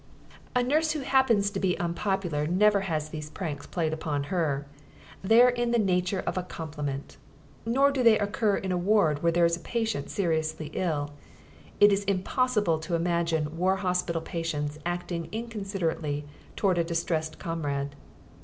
A nurse who happens to be unpopular never has these pranks played upon her. They are in the nature of a compliment. Nor do they occur in a ward where there is a patient seriously ill. It is impossible to imagine war hospital patients acting inconsiderately towards a distressed comrade.